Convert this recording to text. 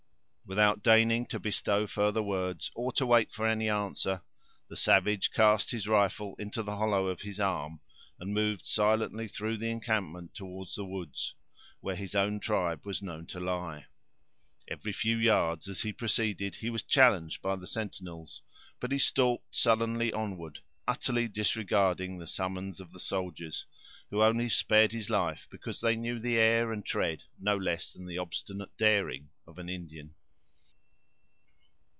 Without deigning to bestow further words, or to wait for any answer, the savage cast his rifle into the hollow of his arm, and moved silently through the encampment toward the woods where his own tribe was known to lie. Every few yards as he proceeded he was challenged by the sentinels; but he stalked sullenly onward, utterly disregarding the summons of the soldiers, who only spared his life because they knew the air and tread no less than the obstinate daring of an Indian.